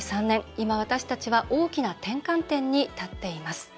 今、私たちは大きな転換点に立っています。